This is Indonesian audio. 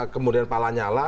kemudian pak lanyala